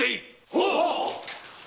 はっ！